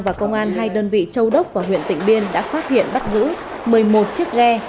và công an hai đơn vị châu đốc và huyện tỉnh biên đã phát hiện bắt giữ một mươi một chiếc ghe